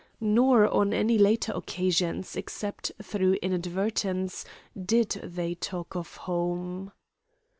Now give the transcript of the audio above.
Nor on any later occasions, except through inadvertence, did they talk of home.